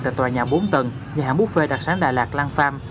tại tòa nhà bốn tầng nhà hàng buffet đặc sản đà lạt lang farm